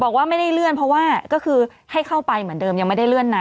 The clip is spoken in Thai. บอกว่าไม่ได้เลื่อนเพราะว่าก็คือให้เข้าไปเหมือนเดิมยังไม่ได้เลื่อนนะ